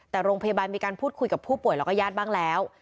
แต่โรงพยาบาลมีการพูดคุยกับผู้ป่วยแล้วก็ญาติบ้างแล้ว